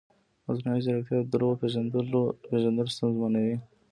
مصنوعي ځیرکتیا د دروغو پېژندل ستونزمنوي.